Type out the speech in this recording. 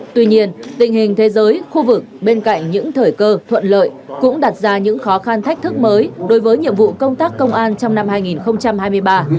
tuy nhiên tình hình thế giới khu vực bên cạnh những thời cơ thuận lợi cũng đặt ra những khó khăn thách thức mới đối với nhiệm vụ công tác công an trong năm hai nghìn hai mươi ba